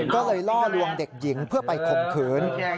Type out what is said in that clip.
ก็เลยล่อลวงเด็กหญิงเพื่อไปข่มขืน